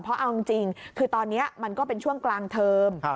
เพราะเอาจริงคือตอนนี้มันก็เป็นช่วงกลางเทอม